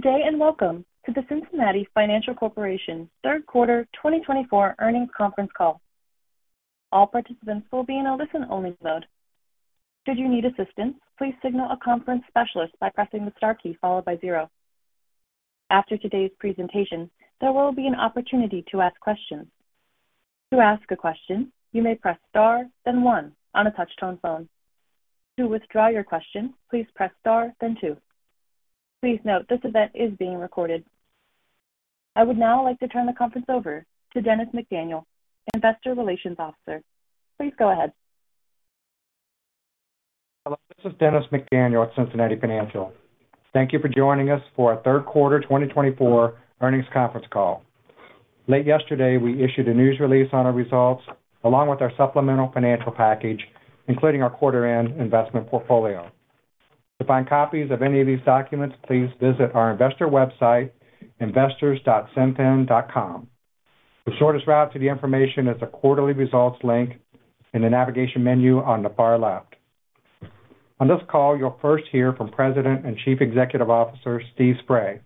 Good day, and welcome to the Cincinnati Financial Corporation Third Quarter twenty twenty-four Earnings Conference Call. All participants will be in a listen-only mode. Should you need assistance, please signal a conference specialist by pressing the star key followed by zero. After today's presentation, there will be an opportunity to ask questions. To ask a question, you may press Star, then One on a touch-tone phone. To withdraw your question, please press Star, then Two. Please note, this event is being recorded. I would now like to turn the conference over to Dennis McDaniel, Investor Relations Officer. Please go ahead. Hello, this is Dennis McDaniel at Cincinnati Financial. Thank you for joining us for our third quarter twenty twenty-four earnings conference call. Late yesterday, we issued a news release on our results, along with our supplemental financial package, including our quarter end investment portfolio. To find copies of any of these documents, please visit our investor website, investors.cinfin.com. The shortest route to the information is the Quarterly Results link in the navigation menu on the far left. On this call, you'll first hear from President and Chief Executive Officer, Steve Sprague,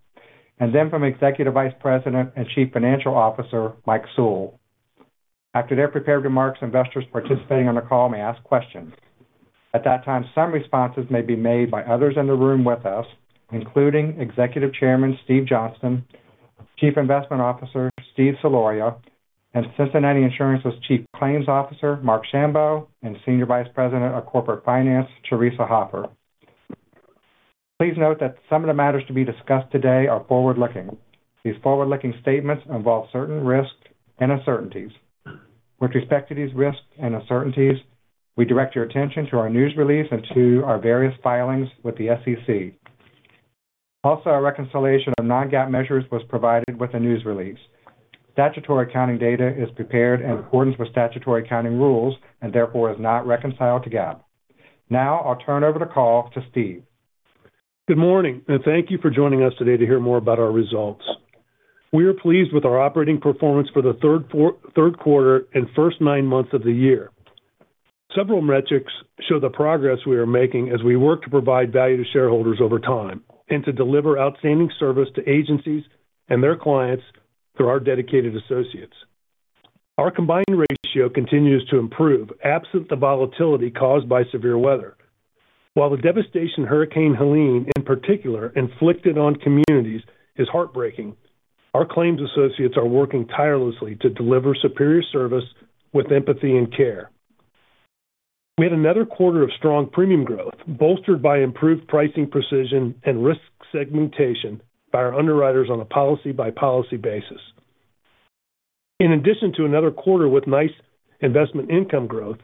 and then from Executive Vice President and Chief Financial Officer, Mike Sewell. After their prepared remarks, investors participating on the call may ask questions. At that time, some responses may be made by others in the room with us, including Executive Chairman, Steve Johnston, Chief Investment Officer, Steve Soloria, and Cincinnati Insurance's Chief Claims Officer, Mark Shambo, and Senior Vice President of Corporate Finance, Theresa Hoffer. Please note that some of the matters to be discussed today are forward-looking. These forward-looking statements involve certain risks and uncertainties. With respect to these risks and uncertainties, we direct your attention to our news release and to our various filings with the SEC. Also, our reconciliation of non-GAAP measures was provided with a news release. Statutory accounting data is prepared in accordance with statutory accounting rules and therefore is not reconciled to GAAP. Now I'll turn over the call to Steve. Good morning, and thank you for joining us today to hear more about our results. We are pleased with our operating performance for the third quarter and first nine months of the year. Several metrics show the progress we are making as we work to provide value to shareholders over time, and to deliver outstanding service to agencies and their clients through our dedicated associates. Our combined ratio continues to improve, absent the volatility caused by severe weather. While the devastation Hurricane Helene, in particular, inflicted on communities is heartbreaking, our claims associates are working tirelessly to deliver superior service with empathy and care. We had another quarter of strong premium growth, bolstered by improved pricing precision and risk segmentation by our underwriters on a policy-by-policy basis. In addition to another quarter with nice investment income growth,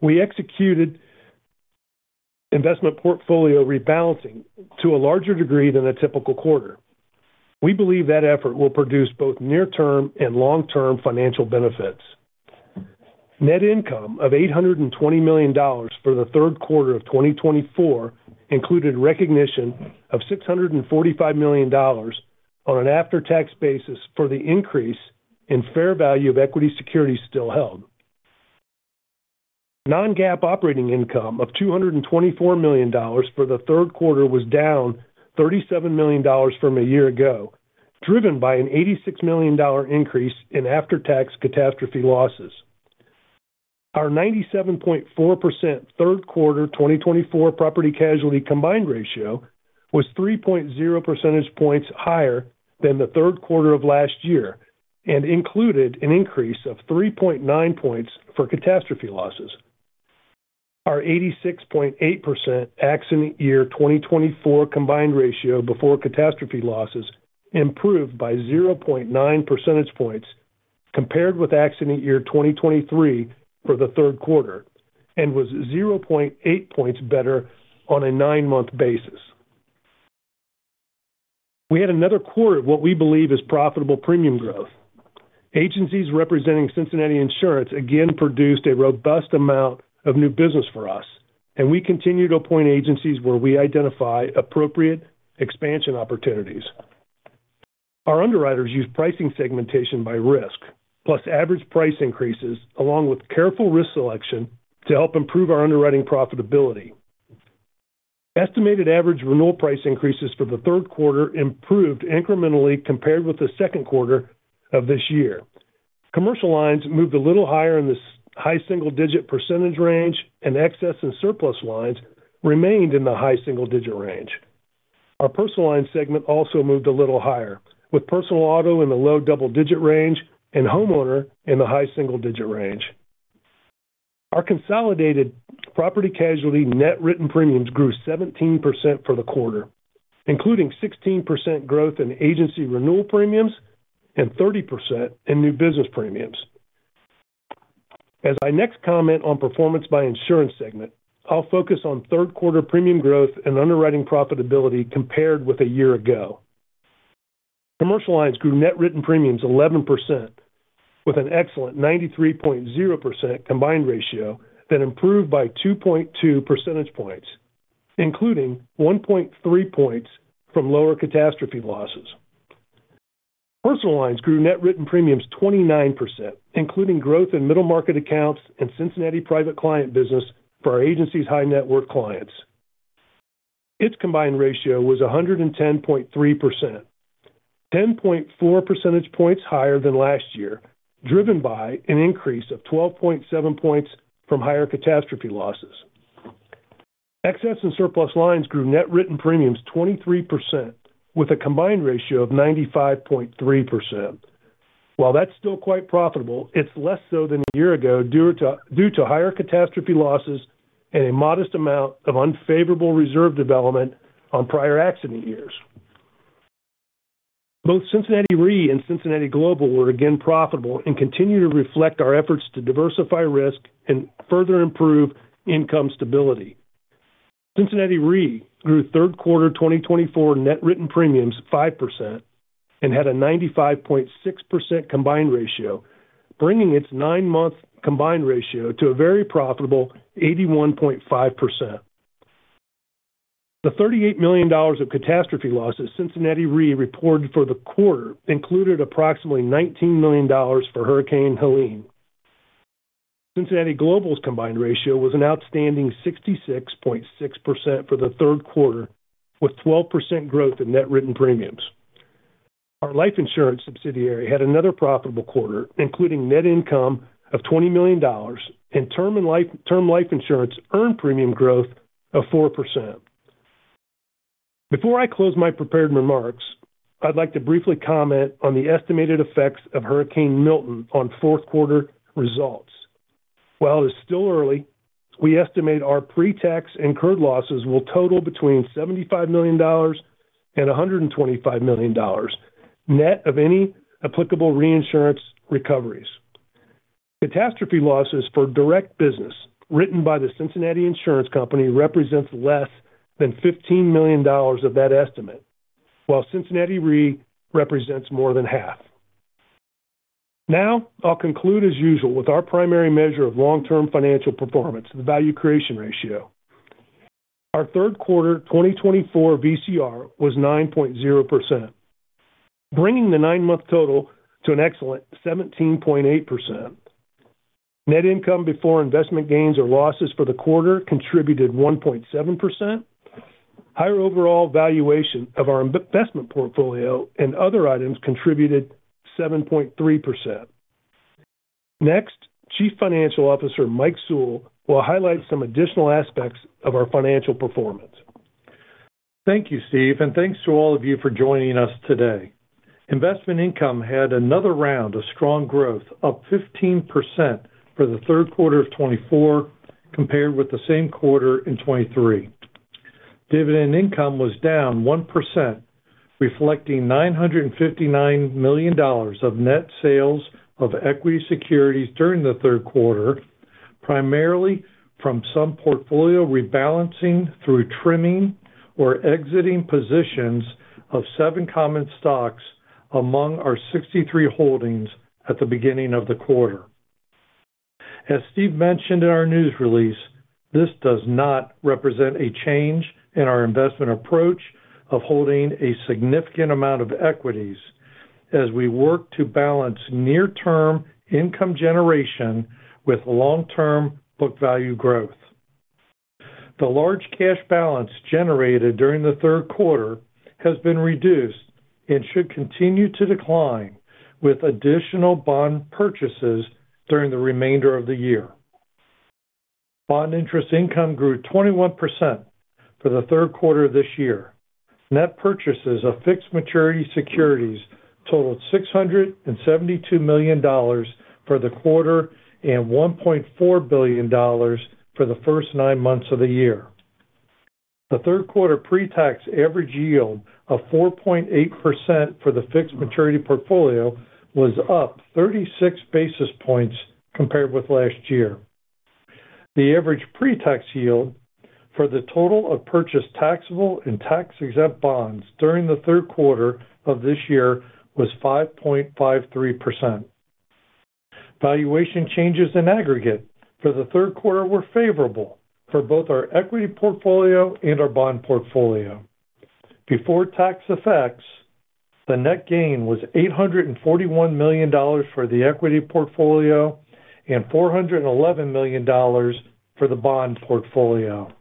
we executed investment portfolio rebalancing to a larger degree than a typical quarter. We believe that effort will produce both near-term and long-term financial benefits. Net income of $820 million for the third quarter of 2024 included recognition of $645 million on an after-tax basis for the increase in fair value of equity securities still held. Non-GAAP operating income of $224 million for the third quarter was down $37 million from a year ago, driven by an $86 million increase in after-tax catastrophe losses. Our 97.4% third quarter 2024 property casualty combined ratio was 3.0 percentage points higher than the third quarter of last year and included an increase of 3.9 points for catastrophe losses. Our 86.8% accident year 2024 combined ratio before catastrophe losses improved by 0.9 percentage points compared with accident year 2023 for the third quarter, and was 0.8 points better on a nine-month basis. We had another quarter of what we believe is profitable premium growth. Agencies representing Cincinnati Insurance again produced a robust amount of new business for us, and we continue to appoint agencies where we identify appropriate expansion opportunities. Our underwriters use pricing segmentation by risk, plus average price increases, along with careful risk selection to help improve our underwriting profitability. Estimated average renewal price increases for the third quarter improved incrementally compared with the second quarter of this year. Commercial lines moved a little higher in this high single-digit % range, and excess and surplus lines remained in the high single-digit % range. Our personal line segment also moved a little higher, with personal auto in the low double-digit range and homeowner in the high single-digit range. Our consolidated property casualty net written premiums grew 17% for the quarter, including 16% growth in agency renewal premiums and 30% in new business premiums. As I next comment on performance by insurance segment, I'll focus on third quarter premium growth and underwriting profitability compared with a year ago. Commercial lines grew net written premiums 11%, with an excellent 93.0% combined ratio that improved by 2.2 percentage points, including 1.3 points from lower catastrophe losses. Personal lines grew net written premiums 29%, including growth in middle market accounts and Cincinnati Private Client business for our agency's high net worth clients. Its combined ratio was 110.3%, 10.4 percentage points higher than last year, driven by an increase of 12.7 points from higher catastrophe losses. Excess and surplus lines grew net written premiums 23%, with a combined ratio of 95.3%. While that's still quite profitable, it's less so than a year ago, due to higher catastrophe losses and a modest amount of unfavorable reserve development on prior accident years. Both Cincinnati Re and Cincinnati Global were again profitable and continue to reflect our efforts to diversify risk and further improve income stability. Cincinnati Re grew third quarter 2024 net written premiums 5% and had a 95.6% combined ratio, bringing its nine-month combined ratio to a very profitable 81.5%. The $38 million of catastrophe losses Cincinnati Re reported for the quarter included approximately $19 million for Hurricane Helene. Cincinnati Global's combined ratio was an outstanding 66.6% for the third quarter, with 12% growth in net written premiums. Our life insurance subsidiary had another profitable quarter, including net income of $20 million and term life insurance earned premium growth of 4%. Before I close my prepared remarks, I'd like to briefly comment on the estimated effects of Hurricane Milton on fourth quarter results. While it's still early, we estimate our pre-tax incurred losses will total between $75 million and $125 million, net of any applicable reinsurance recoveries. Catastrophe losses for direct business written by The Cincinnati Insurance Company represents less than $15 million of that estimate, while Cincinnati Re represents more than half. Now, I'll conclude, as usual, with our primary measure of long-term financial performance, the value creation ratio. Our third quarter 2024 VCR was 9.0%, bringing the nine-month total to an excellent 17.8%. Net income before investment gains or losses for the quarter contributed 1.7%. Higher overall valuation of our investment portfolio and other items contributed 7.3%. Next, Chief Financial Officer Mike Sewell will highlight some additional aspects of our financial performance. Thank you, Steve, and thanks to all of you for joining us today. Investment income had another round of strong growth, up 15% for the third quarter of 2024, compared with the same quarter in 2023. Dividend income was down 1%, reflecting $959 million of net sales of equity securities during the third quarter, primarily from some portfolio rebalancing through trimming or exiting positions of 7 common stocks among our 63 holdings at the beginning of the quarter. As Steve mentioned in our news release, this does not represent a change in our investment approach of holding a significant amount of equities as we work to balance near-term income generation with long-term book value growth. The large cash balance generated during the third quarter has been reduced and should continue to decline, with additional bond purchases during the remainder of the year. Bond interest income grew 21% for the third quarter of this year. Net purchases of fixed maturity securities totaled $672 million for the quarter, and $1.4 billion for the first nine months of the year. The third quarter pre-tax average yield of 4.8% for the fixed maturity portfolio was up thirty-six basis points compared with last year. The average pre-tax yield for the total of purchased taxable and tax-exempt bonds during the third quarter of this year was 5.53%. Valuation changes in aggregate for the third quarter were favorable for both our equity portfolio and our bond portfolio. Before tax effects, the net gain was $841 million for the equity portfolio and $411 million for the bond portfolio.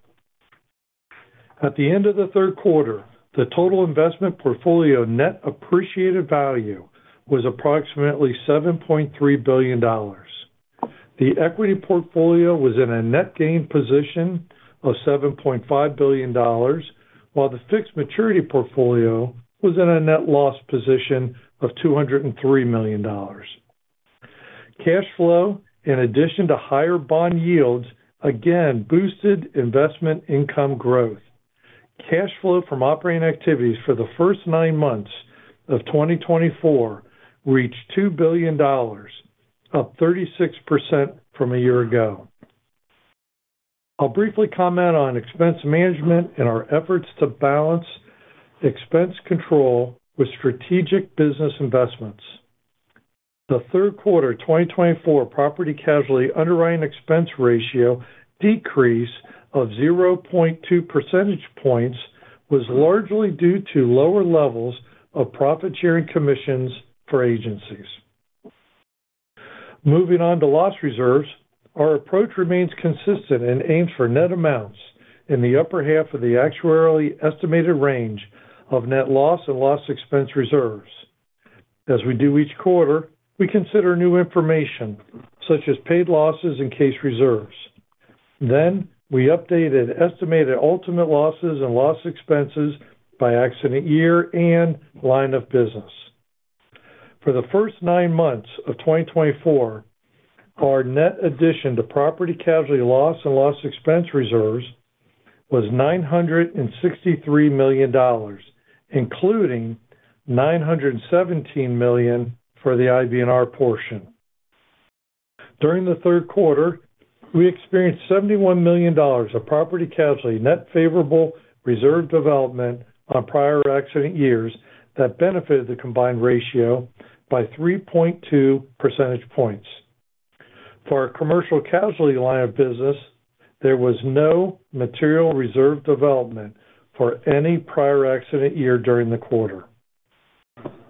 At the end of the third quarter, the total investment portfolio net appreciated value was approximately $7.3 billion. The equity portfolio was in a net gain position of $7.5 billion, while the fixed maturity portfolio was in a net loss position of $203 million. Cash flow, in addition to higher bond yields, again boosted investment income growth. Cash flow from operating activities for the first nine months of 2024 reached $2 billion, up 36% from a year ago. I'll briefly comment on expense management and our efforts to balance expense control with strategic business investments.... The third quarter 2024 property casualty underwriting expense ratio decrease of 0.2 percentage points was largely due to lower levels of profit sharing commissions for agencies. Moving on to loss reserves, our approach remains consistent and aims for net amounts in the upper half of the actuarially estimated range of net loss and loss expense reserves. As we do each quarter, we consider new information, such as paid losses and case reserves. Then we updated estimated ultimate losses and loss expenses by accident year and line of business. For the first nine months of 2024, our net addition to property casualty loss and loss expense reserves was $963 million, including $917 million for the IBNR portion. During the third quarter, we experienced $71 million of property casualty net favorable reserve development on prior accident years that benefited the combined ratio by 3.2 percentage points. For our commercial casualty line of business, there was no material reserve development for any prior accident year during the quarter.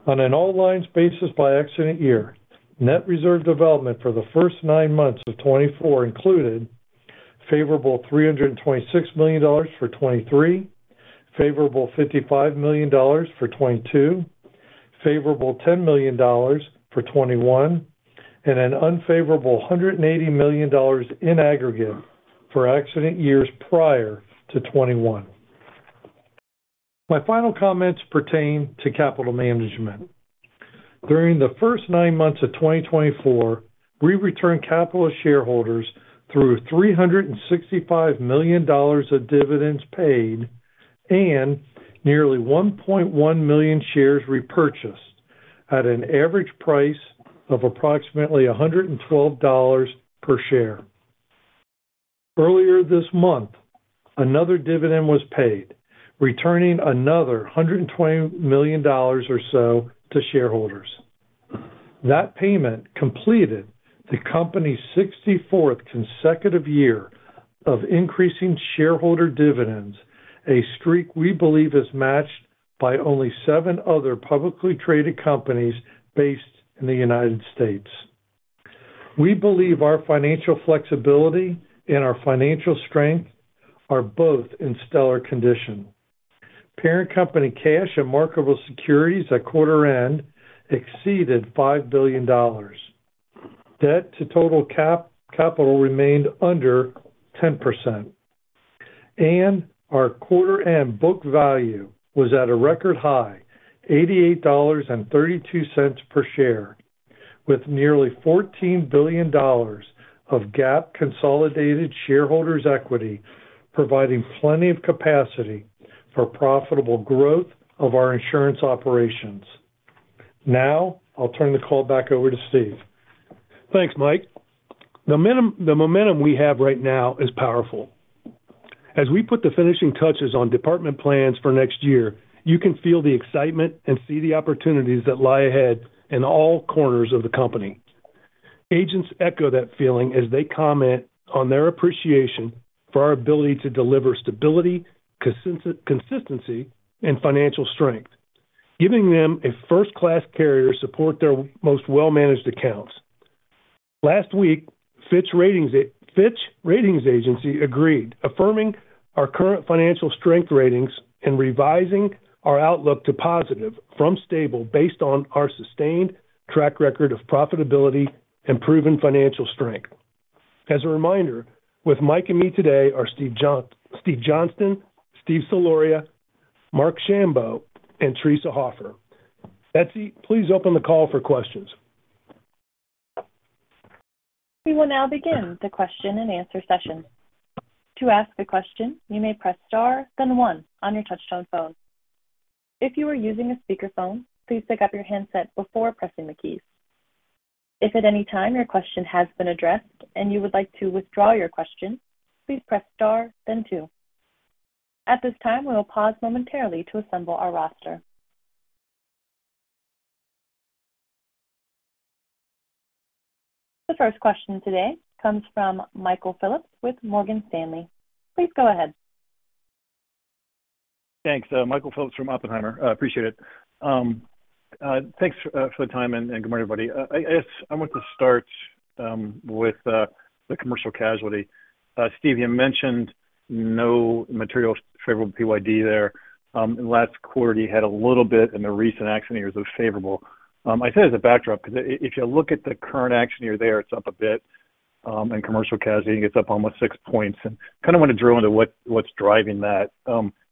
On an all-lines basis by accident year, net reserve development for the first nine months of 2024 included favorable $326 million for 2023, favorable $55 million for 2022, favorable $10 million for 2021, and an unfavorable $180 million in aggregate for accident years prior to 2021. My final comments pertain to capital management. During the first nine months of 2024, we returned capital to shareholders through $365 million of dividends paid and nearly 1.1 million shares repurchased at an average price of approximately $112 per share. Earlier this month, another dividend was paid, returning another $120 million or so to shareholders. That payment completed the company's sixty-fourth consecutive year of increasing shareholder dividends, a streak we believe is matched by only seven other publicly traded companies based in the United States. We believe our financial flexibility and our financial strength are both in stellar condition. Parent company cash and marketable securities at quarter end exceeded $5 billion. Debt to total capital remained under 10%, and our quarter-end book value was at a record high, $88.32 per share, with nearly $14 billion of GAAP consolidated shareholders' equity, providing plenty of capacity for profitable growth of our insurance operations. Now I'll turn the call back over to Steve. Thanks, Mike. The momentum we have right now is powerful. As we put the finishing touches on department plans for next year, you can feel the excitement and see the opportunities that lie ahead in all corners of the company. Agents echo that feeling as they comment on their appreciation for our ability to deliver stability, consistency, and financial strength, giving them a first-class carrier to support their most well-managed accounts. Last week, Fitch Ratings Agency agreed, affirming our current financial strength ratings and revising our outlook to positive from stable based on our sustained track record of profitability and proven financial strength. As a reminder, with Mike and me today are Steve Johnston, Steve Soloria, Mark Shambo, and Teresa Hoffer. Betsy, please open the call for questions. We will now begin the question-and-answer session. To ask a question, you may press Star, then one on your touch-tone phone. If you are using a speakerphone, please pick up your handset before pressing the keys. If at any time your question has been addressed and you would like to withdraw your question, please press Star then two. At this time, we will pause momentarily to assemble our roster. The first question today comes from Michael Phillips with Oppenheimer. Please go ahead. Thanks. Michael Phillips from Oppenheimer. I appreciate it. Thanks for the time, and good morning, everybody. I want to start with the commercial casualty. Steve, you mentioned no material favorable PYD there. In the last quarter, you had a little bit in the recent accident years that was favorable. I say as a backdrop, 'cause if you look at the current accident year there, it's up a bit, and commercial casualty, it's up almost six points, and kind of want to drill into what's driving that.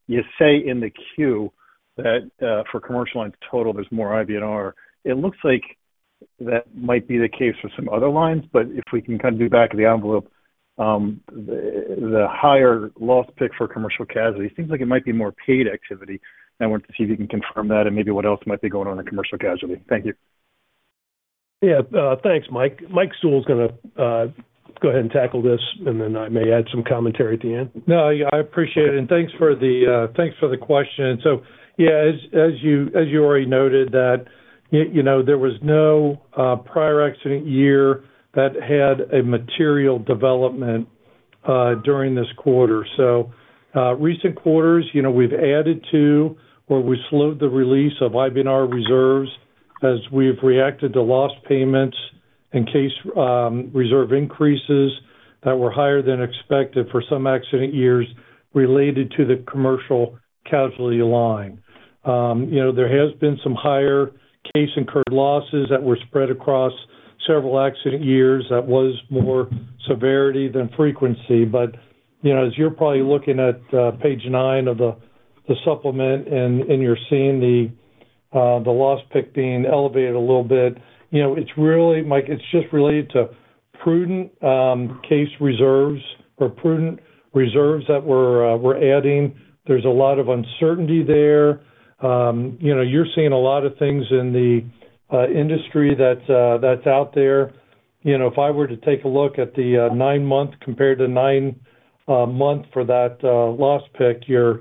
You say in the Q that for commercial lines total, there's more IBNR. It looks like that might be the case for some other lines, but if we can kind of do back of the envelope, the higher loss pick for commercial casualty seems like it might be more paid activity. I want to see if you can confirm that and maybe what else might be going on in commercial casualty. Thank you. Yeah. Thanks, Mike. Mike Sewell is gonna Go ahead and tackle this, and then I may add some commentary at the end. No, I appreciate it, and thanks for the, thanks for the question. So, yeah, as you already noted, that, you know, there was no prior accident year that had a material development during this quarter. So, recent quarters, you know, we've added to, or we slowed the release of IBNR reserves as we've reacted to loss payments and case reserve increases that were higher than expected for some accident years related to the commercial casualty line. You know, there has been some higher case incurred losses that were spread across several accident years that was more severity than frequency. But, you know, as you're probably looking at page nine of the supplement and you're seeing the loss pick being elevated a little bit, you know, it's really, Mike, it's just related to prudent case reserves or prudent reserves that we're adding. There's a lot of uncertainty there. You know, you're seeing a lot of things in the industry that's out there. You know, if I were to take a look at the nine month compared to nine month for that loss pick, you're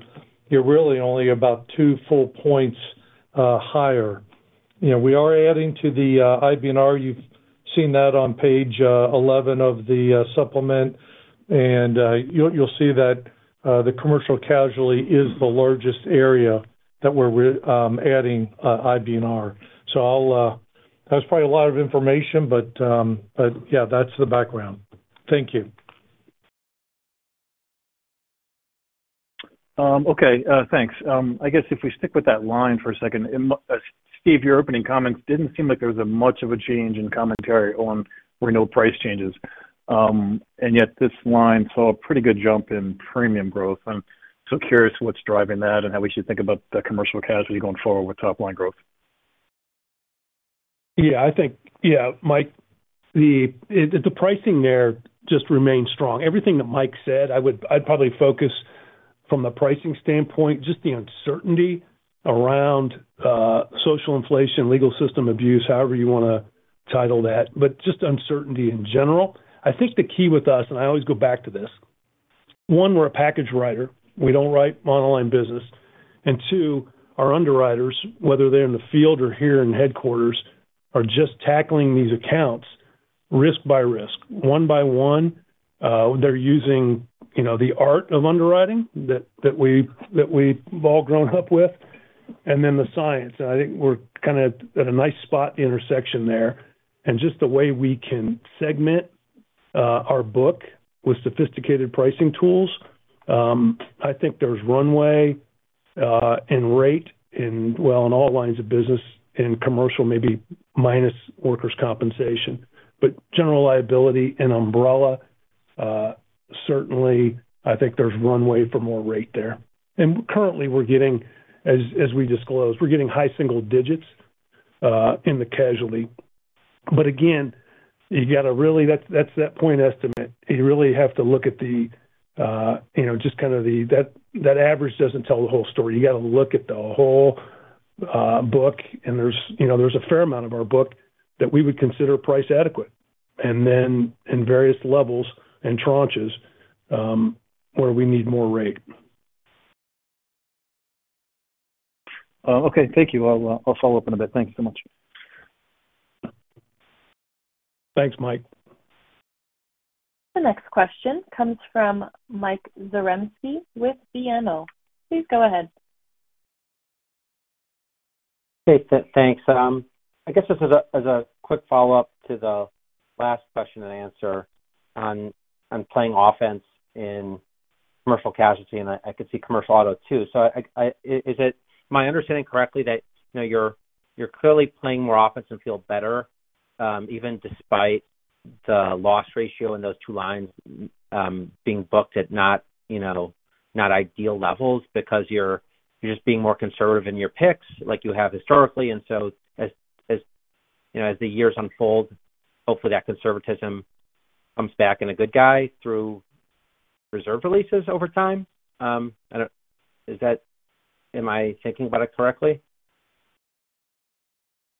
really only about two full points higher. You know, we are adding to the IBNR. You've seen that on page eleven of the supplement. And you'll see that the commercial casualty is the largest area that we're adding IBNR. That's probably a lot of information, but yeah, that's the background. Thank you. Okay, thanks. I guess if we stick with that line for a second, and Steve, your opening comments didn't seem like there was much of a change in commentary on renewal price changes. And yet this line saw a pretty good jump in premium growth. I'm so curious what's driving that and how we should think about the commercial casualty going forward with top-line growth. Yeah, I think. Yeah, Mike, the pricing there just remains strong. Everything that Mike said, I'd probably focus from the pricing standpoint, just the uncertainty around social inflation, legal system abuse, however you wanna title that, but just uncertainty in general. I think the key with us, and I always go back to this, one, we're a package writer, we don't write monoline business. And two, our underwriters, whether they're in the field or here in headquarters, are just tackling these accounts risk by risk. One by one, they're using, you know, the art of underwriting that we've all grown up with, and then the science. And I think we're kind of at a nice spot, the intersection there. And just the way we can segment our book with sophisticated pricing tools, I think there's runway and rate in, well, in all lines of business, in commercial, maybe minus workers' compensation. But general liability and umbrella, certainly, I think there's runway for more rate there. And currently, we're getting, as we disclose, we're getting high single digits in the casualty. But again, you got to really, that's that point estimate. You really have to look at the, you know, just kind of the. That average doesn't tell the whole story. You got to look at the whole book, and there's, you know, there's a fair amount of our book that we would consider price adequate, and then in various levels and tranches, where we need more rate. Okay. Thank you. I'll follow up in a bit. Thank you so much. Thanks, Mike. The next question comes from Mike Zaremski with BMO. Please go ahead. Hey, thanks. I guess just as a quick follow-up to the last question and answer on playing offense in commercial casualty, and I could see commercial auto too. So is it my understanding correctly that, you know, you're clearly playing more offense and feel better, even despite the loss ratio in those two lines being booked at not, you know, not ideal levels because you're just being more conservative in your picks, like you have historically, and so as you know, as the years unfold, hopefully that conservatism comes back in a good way through reserve releases over time? I don't-- Is that-- Am I thinking about it correctly?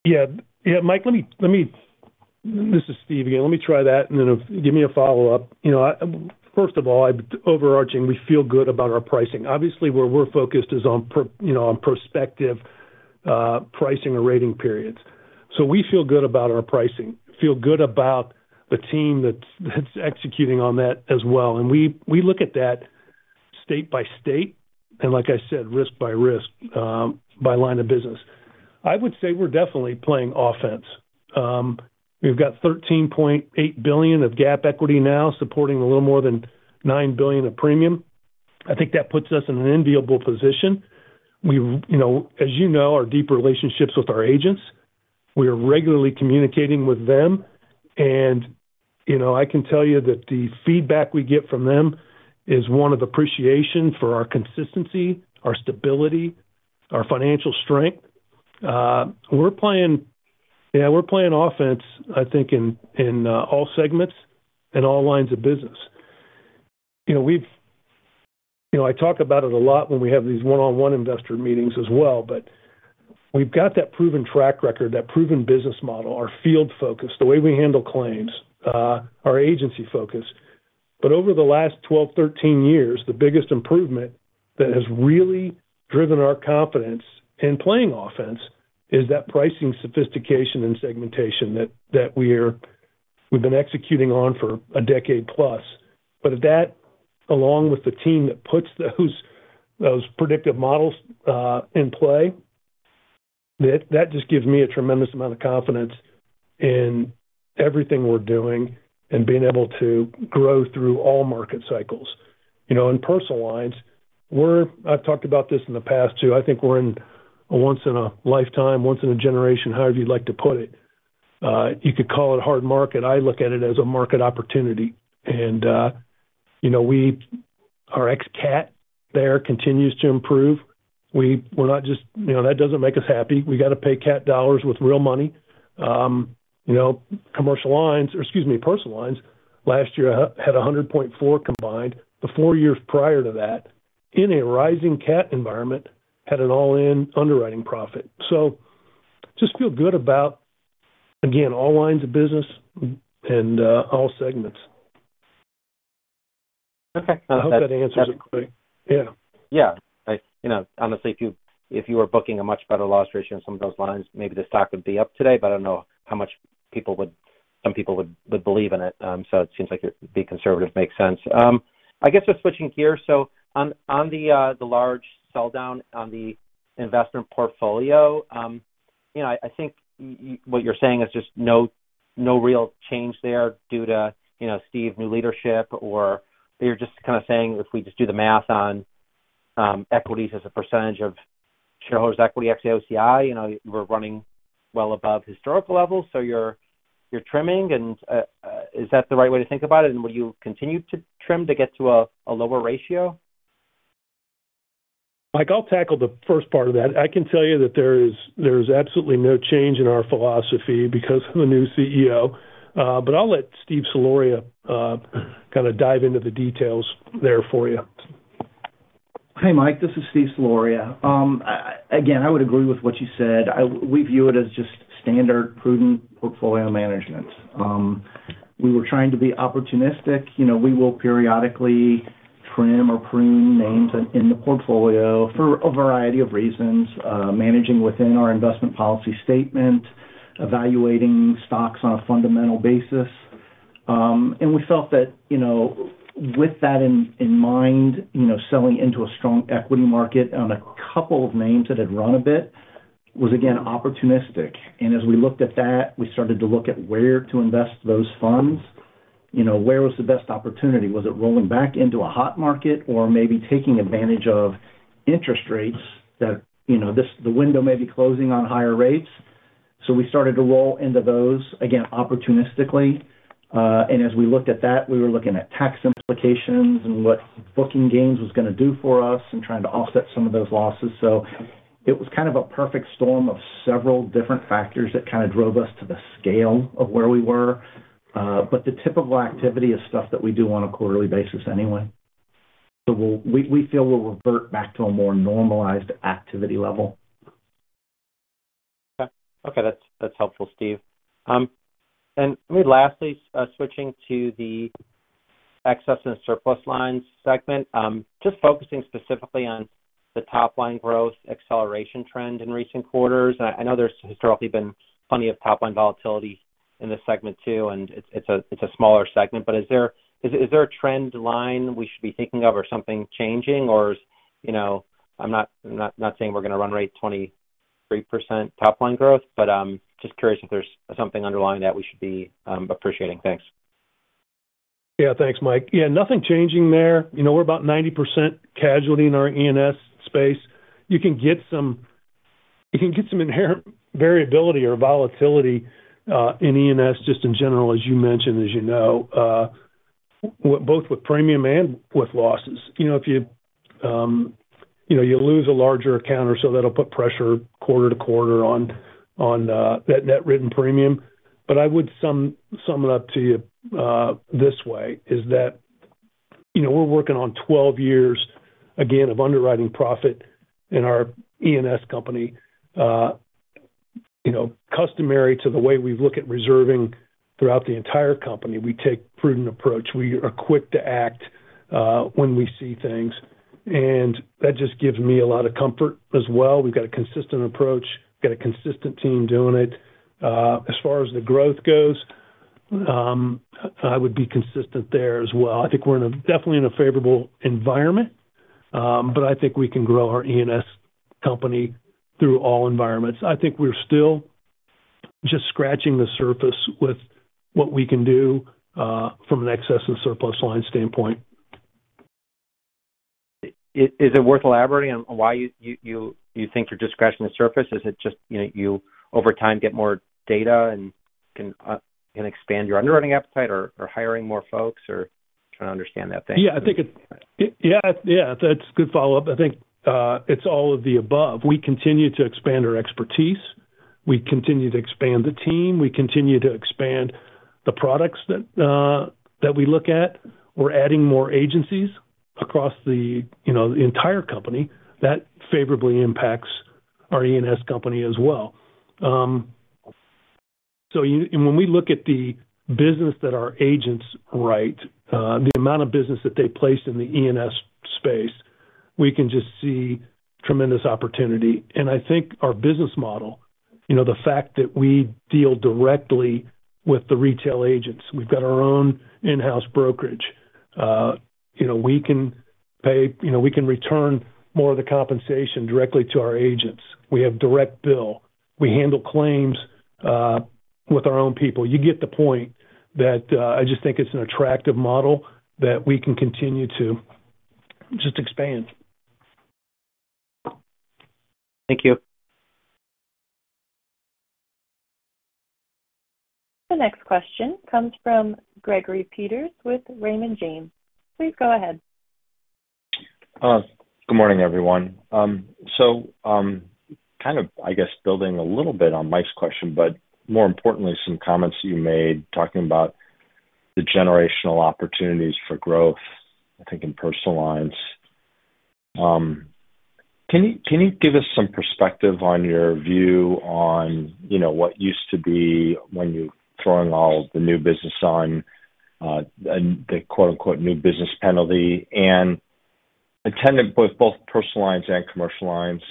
Yeah. Yeah, Mike, let me. This is Steve again. Let me try that, and then give me a follow-up. You know, first of all, I've overarching, we feel good about our pricing. Obviously, where we're focused is on prospective, you know, pricing or rating periods. So we feel good about our pricing, feel good about the team that's executing on that as well. And we look at that state by state, and like I said, risk by risk, by line of business. I would say we're definitely playing offense. We've got $13.8 billion of GAAP equity now, supporting a little more than $9 billion of premium. I think that puts us in an enviable position. We, you know, as you know, our deep relationships with our agents, we are regularly communicating with them. You know, I can tell you that the feedback we get from them is one of appreciation for our consistency, our stability, our financial strength. We're playing... Yeah, we're playing offense, I think, in all segments and all lines of business. You know, we've you know, I talk about it a lot when we have these one-on-one investor meetings as well, but we've got that proven track record, that proven business model, our field focus, the way we handle claims, our agency focus. But over the last twelve, thirteen years, the biggest improvement that has really driven our confidence in playing offense is that pricing sophistication and segmentation that we've been executing on for a decade plus. But that, along with the team that puts those predictive models in play, that just gives me a tremendous amount of confidence in everything we're doing and being able to grow through all market cycles. You know, in personal lines, we're. I've talked about this in the past, too. I think we're in a once-in-a-lifetime, once-in-a-generation, however you'd like to put it. You could call it a hard market. I look at it as a market opportunity. And, you know, our ex cat there continues to improve. We're not just, you know, that doesn't make us happy. We got to pay cat dollars with real money. You know, commercial lines, or excuse me, personal lines, last year, had a 100.4 combined. The four years prior to that, in a rising cat environment, had an all-in underwriting profit. So, just feel good about, again, all lines of business and all segments. Okay. I hope that answers it clearly. Yeah. Yeah. I, you know, honestly, if you, if you were booking a much better loss ratio in some of those lines, maybe the stock would be up today, but I don't know how much people would—some people would believe in it. So it seems like it being conservative makes sense. I guess, just switching gears, so on, on the large sell-down on the investment portfolio, you know, I think you—what you're saying is just no real change there due to, you know, Steve, new leadership, or you're just kind of saying, if we just do the math on equities as a percentage of shareholders' equity, ex AOCI, you know, we're running well above historical levels, so you're trimming, and is that the right way to think about it? Will you continue to trim to get to a lower ratio? Mike, I'll tackle the first part of that. I can tell you that there is absolutely no change in our philosophy because of the new CEO. But I'll let Steve Soloria kind of dive into the details there for you. Hi, Mike, this is Steve Soloria. Again, I would agree with what you said. We view it as just standard, prudent portfolio management. We were trying to be opportunistic. You know, we will periodically trim or prune names in the portfolio for a variety of reasons, managing within our investment policy statement, evaluating stocks on a fundamental basis. And we felt that, you know, with that in mind, you know, selling into a strong equity market on a couple of names that had run a bit was again, opportunistic. And as we looked at that, we started to look at where to invest those funds. You know, where was the best opportunity? Was it rolling back into a hot market or maybe taking advantage of interest rates that, you know, the window may be closing on higher rates? So we started to roll into those, again, opportunistically. And as we looked at that, we were looking at tax implications and what booking gains was gonna do for us and trying to offset some of those losses. So it was kind of a perfect storm of several different factors that kind of drove us to the scale of where we were. But the typical activity is stuff that we do on a quarterly basis anyway. So we feel we'll revert back to a more normalized activity level. Okay, that's helpful, Steve. And let me lastly switch to the excess and surplus lines segment, just focusing specifically on the top-line growth acceleration trend in recent quarters. I know there's historically been plenty of top-line volatility in this segment, too, and it's a smaller segment, but is there a trend line we should be thinking of or something changing? Or, you know, I'm not saying we're going to run-rate 23% top-line growth, but just curious if there's something underlying that we should be appreciating. Thanks. Yeah, thanks, Mike. Yeah, nothing changing there. You know, we're about 90% casualty in our E&S space. You can get some, you can get some inherent variability or volatility in E&S, just in general, as you mentioned, as you know, both with premium and with losses. You know, if you, you know, you lose a larger account or so, that'll put pressure quarter to quarter on that net written premium. But I would sum it up to you this way, is that, you know, we're working on 12 years, again, of underwriting profit in our E&S company. You know, customary to the way we look at reserving throughout the entire company, we take prudent approach. We are quick to act when we see things, and that just gives me a lot of comfort as well. We've got a consistent approach, got a consistent team doing it. As far as the growth goes, I would be consistent there as well. I think we're definitely in a favorable environment, but I think we can grow our E&S company through all environments. I think we're still just scratching the surface with what we can do, from an excess and surplus line standpoint. Is it worth elaborating on why you think you're just scratching the surface? Is it just, you know, over time, get more data and can expand your underwriting appetite or hiring more folks, or? Trying to understand that. Thanks. Yeah, I think. Yeah, yeah, that's a good follow-up. I think, it's all of the above. We continue to expand our expertise. We continue to expand the team, we continue to expand the products that, that we look at. We're adding more agencies across the, you know, the entire company. That favorably impacts our E&S company as well. So, and when we look at the business that our agents write, the amount of business that they place in the E&S space, we can just see tremendous opportunity. And I think our business model, you know, the fact that we deal directly with the retail agents, we've got our own in-house brokerage. You know, we can pay, you know, we can return more of the compensation directly to our agents. We have direct bill. We handle claims, with our own people. You get the point that, I just think it's an attractive model that we can continue to just expand. Thank you. The next question comes from Gregory Peters with Raymond James. Please go ahead. Good morning, everyone. So, kind of, I guess, building a little bit on Mike's question, but more importantly, some comments you made talking about the generational opportunities for growth, I think, in personal lines. Can you, can you give us some perspective on your view on, you know, what used to be when you're throwing all the new business on, and the quote-unquote, "new business penalty," and attendant with both personal lines and commercial lines,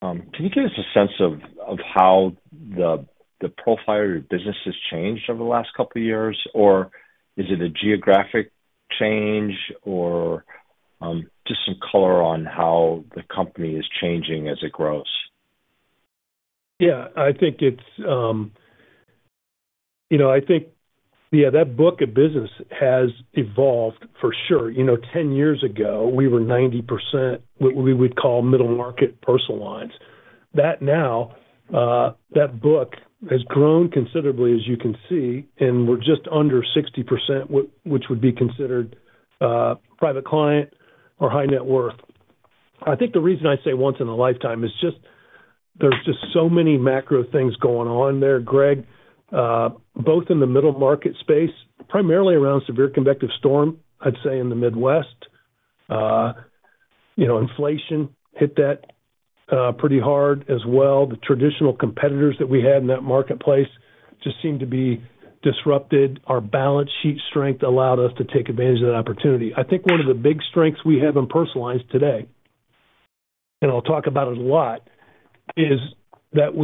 can you give us a sense of, of how the, the profile of your business has changed over the last couple of years? Or is it a geographic change, or, just some color on how the company is changing as it grows? Yeah, I think it's, you know, I think, yeah, that book of business has evolved for sure. You know, ten years ago, we were 90% what we would call middle market personal lines. That now, that book has grown considerably, as you can see, and we're just under 60%, which would be considered, private client or high net worth. I think the reason I say once in a lifetime is just, there's just so many macro things going on there, Greg, both in the middle market space, primarily around severe convective storm, I'd say in the Midwest. You know, inflation hit that pretty hard as well. The traditional competitors that we had in that marketplace just seemed to be disrupted. Our balance sheet strength allowed us to take advantage of that opportunity. I think one of the big strengths we have in personal lines today, and I'll talk about it a lot, is that.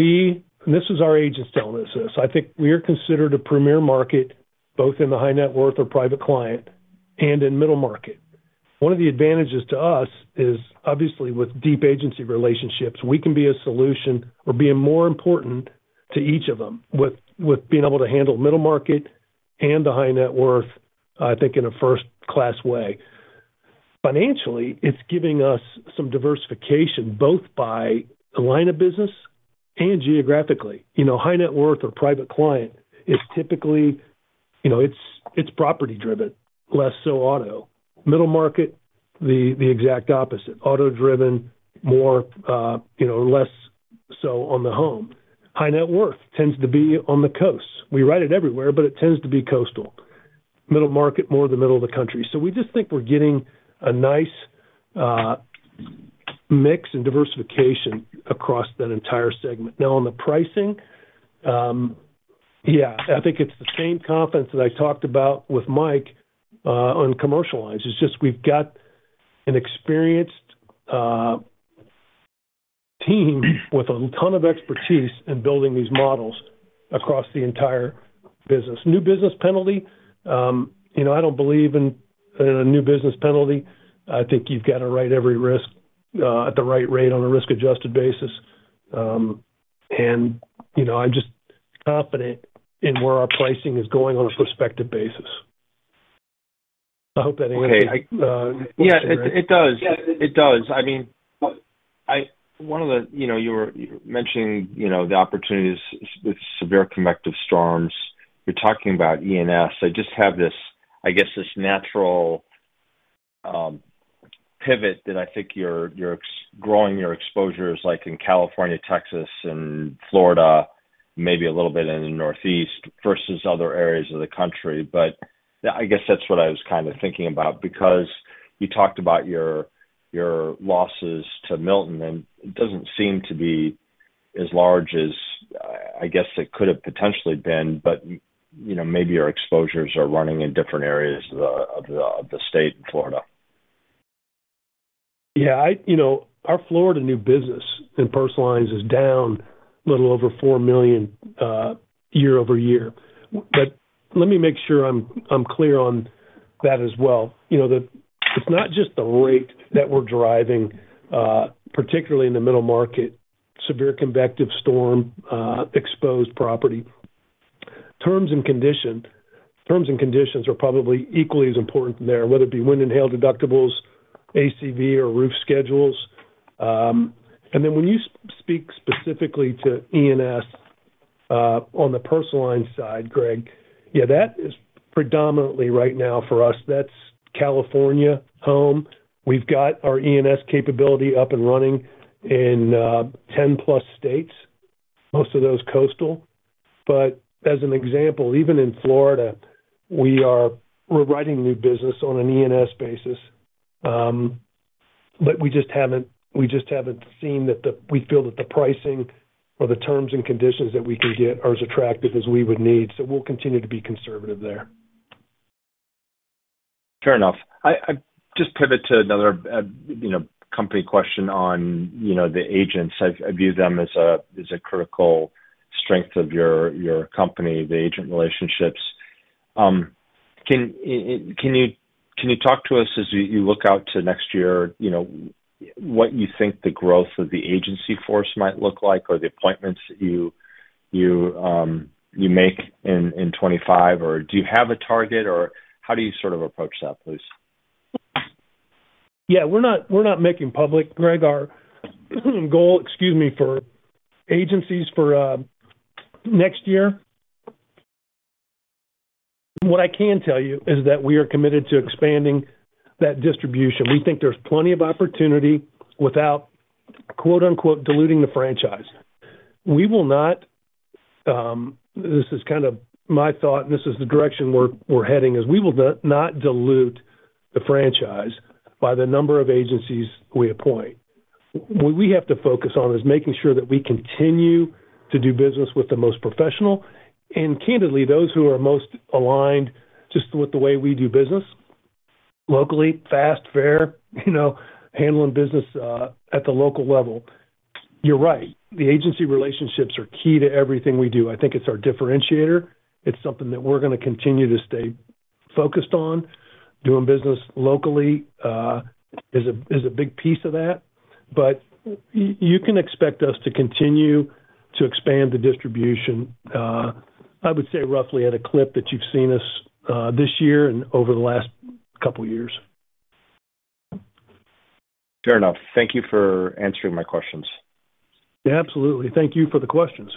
And this is our agents telling us this. I think we are considered a premier market, both in the high net worth or private client and in middle market. One of the advantages to us is, obviously, with deep agency relationships, we can be a solution or being more important to each of them, with being able to handle middle market and the high net worth, I think, in a first-class way. Financially, it's giving us some diversification, both by the line of business and geographically. You know, high net worth or private client is typically, you know, it's property driven, less so auto. Middle market, the exact opposite. Auto driven, more, you know, less so on the home. High net worth tends to be on the coasts. We write it everywhere, but it tends to be coastal. Middle market, more the middle of the country. So we just think we're getting a nice, mix and diversification across that entire segment. Now, on the pricing, yeah, I think it's the same confidence that I talked about with Mike, on commercial lines. It's just we've got an experienced, team with a ton of expertise in building these models across the entire business. New business penalty, you know, I don't believe in a new business penalty. I think you've got to write every risk, at the right rate on a risk-adjusted basis. And, you know, I'm just confident in where our pricing is going on a prospective basis. I hope that answers- Okay. Yeah, it, it does. It does. I mean, I. One of the. You know, you were mentioning, you know, the opportunities with severe convective storms. You're talking about E&S. I just have this, I guess, this natural pivot that I think you're, you're growing your exposures, like in California, Texas, and Florida, maybe a little bit in the Northeast versus other areas of the country. But, yeah, I guess that's what I was kind of thinking about, because you talked about your, your losses to Milton, and it doesn't seem to be as large as, I guess, it could have potentially been, but, you know, maybe your exposures are running in different areas of the state in Florida. Yeah. You know, our Florida new business in personal lines is down a little over $4 million year over year. But let me make sure I'm clear on that as well. You know, it's not just the rate that we're driving, particularly in the middle market, severe convective storm exposed property. Terms and conditions are probably equally as important there, whether it be wind and hail deductibles, ACV or roof schedules. And then when you speak specifically to E&S on the personal line side, Greg, yeah, that is predominantly right now for us, that's California home. We've got our E&S capability up and running in 10 plus states, most of those coastal. But as an example, even in Florida, we're writing new business on an E&S basis. But we just haven't seen. We feel that the pricing or the terms and conditions that we can get are as attractive as we would need, so we'll continue to be conservative there. Fair enough. I just pivot to another, you know, company question on, you know, the agents. I view them as a critical strength of your company, the agent relationships. Can you talk to us as you look out to next year, you know, what you think the growth of the agency force might look like or the appointments that you make in twenty-five? Or do you have a target, or how do you sort of approach that, please? Yeah, we're not, we're not making public, Greg, our goal, excuse me, for agencies for next year. What I can tell you is that we are committed to expanding that distribution. We think there's plenty of opportunity without, quote, unquote, "diluting the franchise." We will not, this is kind of my thought, and this is the direction we're, we're heading, is we will not dilute the franchise by the number of agencies we appoint. What we have to focus on is making sure that we continue to do business with the most professional, and candidly, those who are most aligned just with the way we do business, locally, fast, fair, you know, handling business at the local level. You're right. The agency relationships are key to everything we do. I think it's our differentiator. It's something that we're going to continue to stay focused on. Doing business locally is a big piece of that. But you can expect us to continue to expand the distribution, I would say, roughly at a clip that you've seen us this year and over the last couple years. Fair enough. Thank you for answering my questions. Yeah, absolutely. Thank you for the questions.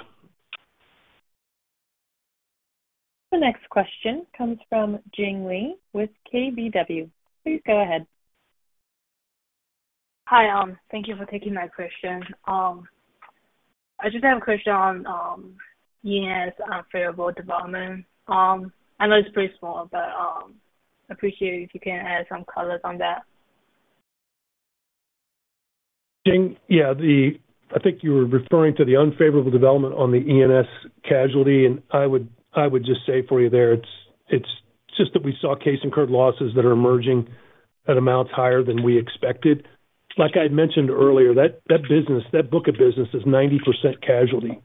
The next question comes from Jing Li with KBW. Please go ahead. Hi, thank you for taking my question. I just have a question on E&S, unfavorable development. I know it's pretty small, but appreciate if you can add some colors on that. Jing, yeah, I think you were referring to the unfavorable development on the E&S casualty, and I would just say for you there, it's just that we saw case incurred losses that are emerging at amounts higher than we expected. Like I'd mentioned earlier, that business, that book of business is 90% casualty.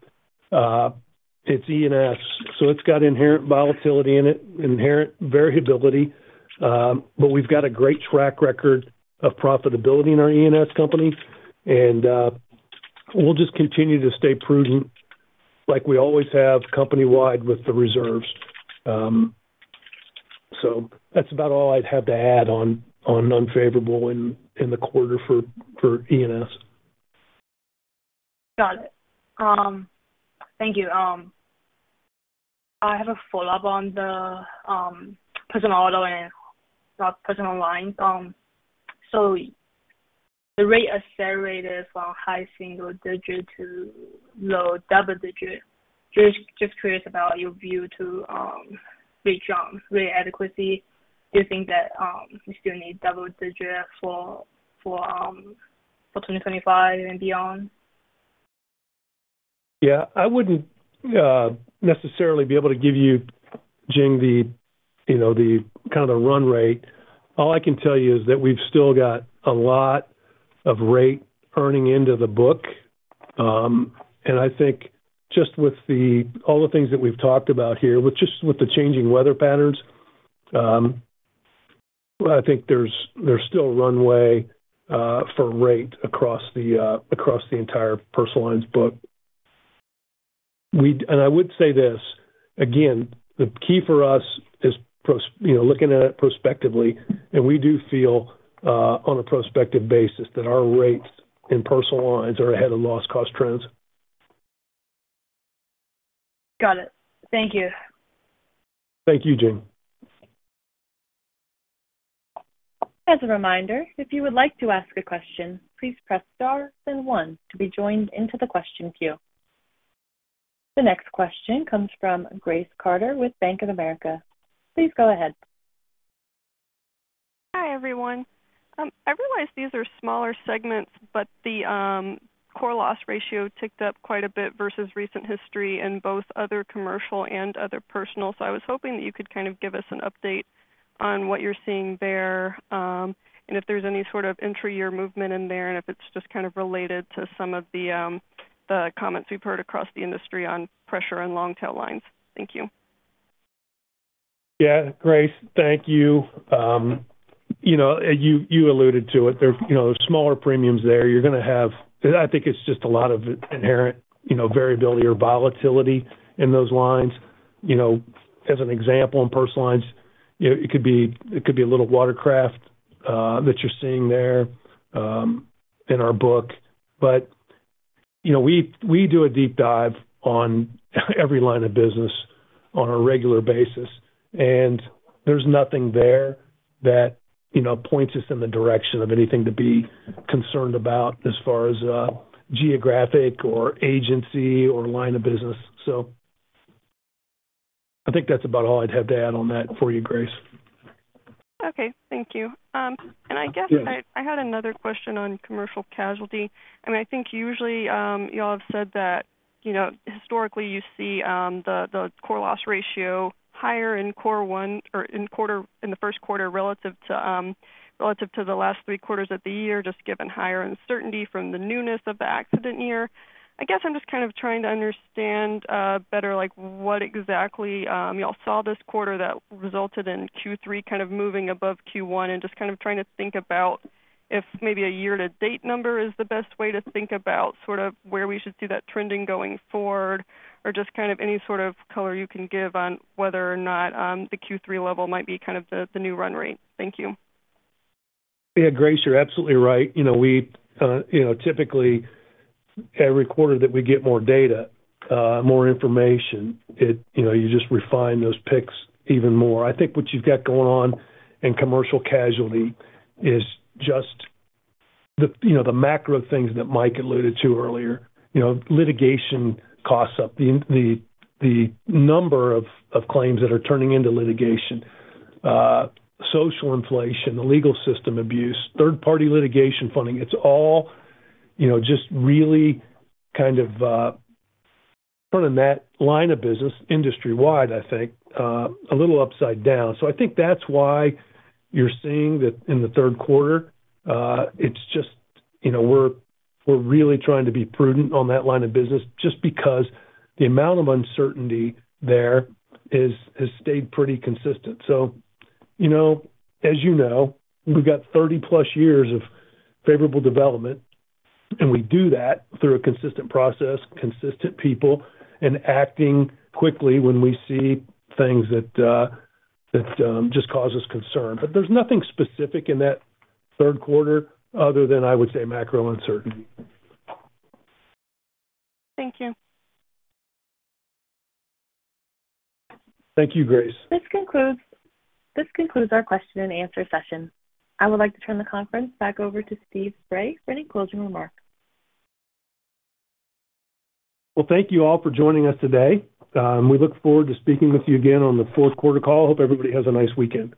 It's E&S, so it's got inherent volatility in it, inherent variability, but we've got a great track record of profitability in our E&S company, and we'll just continue to stay prudent like we always have company-wide with the reserves. So that's about all I'd have to add on unfavorable in the quarter for E&S. Got it. Thank you. I have a follow-up on the personal auto and personal lines. So the rate accelerated from high single digit to low double digit. Just curious about your view to reach on rate adequacy. Do you think that you still need double digit for twenty twenty-five and beyond? Yeah. I wouldn't necessarily be able to give you, Jing, you know, the kind of run rate. All I can tell you is that we've still got a lot of rate earning into the book. And I think just with all the things that we've talked about here, with just with the changing weather patterns, I think there's still runway for rate across the across the entire personal lines book, and I would say this, again, the key for us is prospectively, you know, looking at it prospectively, and we do feel on a prospective basis that our rates in personal lines are ahead of loss cost trends. Got it. Thank you. Thank you, Jing. As a reminder, if you would like to ask a question, please press Star then one to be joined into the question queue. The next question comes from Grace Carter with Bank of America. Please go ahead. Hi, everyone. I realize these are smaller segments, but the core loss ratio ticked up quite a bit versus recent history in both other commercial and other personal. So I was hoping that you could kind of give us an update on what you're seeing there, and if there's any sort of intra-year movement in there, and if it's just kind of related to some of the comments we've heard across the industry on pressure and long tail lines. Thank you. Yeah, Grace. Thank you. You know, you, you alluded to it. There, you know, there's smaller premiums there. You're going to have... I think it's just a lot of inherent, you know, variability or volatility in those lines.... You know, as an example, in E&S lines, you know, it could be, it could be a little watercraft that you're seeing there in our book. But, you know, we, we do a deep dive on every line of business on a regular basis, and there's nothing there that, you know, points us in the direction of anything to be concerned about as far as geographic or agency or line of business. So I think that's about all I'd have to add on that for you, Grace. Okay, thank you, and I guess- Yeah. I had another question on commercial casualty. I mean, I think usually you all have said that, you know, historically you see the core loss ratio higher in quarter one or in the first quarter relative to the last three quarters of the year, just given higher uncertainty from the newness of the accident year. I guess I'm just kind of trying to understand better, like, what exactly you all saw this quarter that resulted in Q3 kind of moving above Q1, and just kind of trying to think about if maybe a year-to-date number is the best way to think about sort of where we should see that trending going forward, or just kind of any sort of color you can give on whether or not the Q3 level might be kind of the new run rate? Thank you. Yeah, Grace, you're absolutely right. You know, we, you know, typically, every quarter that we get more data, more information, it, you know, you just refine those picks even more. I think what you've got going on in commercial casualty is just the, you know, the macro things that Mike alluded to earlier. You know, litigation costs up, the number of claims that are turning into litigation, social inflation, the legal system abuse, third-party litigation funding, it's all, you know, just really kind of putting that line of business industry-wide, I think, a little upside down. So I think that's why you're seeing that in the third quarter. It's just, you know, we're really trying to be prudent on that line of business just because the amount of uncertainty there is has stayed pretty consistent. So, you know, as you know, we've got thirty-plus years of favorable development, and we do that through a consistent process, consistent people, and acting quickly when we see things that just cause us concern. But there's nothing specific in that third quarter other than, I would say, macro uncertainty. Thank you. Thank you, Grace. This concludes our question and answer session. I would like to turn the conference back over to Steve Sprague for any closing remarks. Thank you all for joining us today. We look forward to speaking with you again on the fourth quarter call. Hope everybody has a nice weekend.